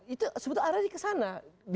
itu sebetulnya ada di kesana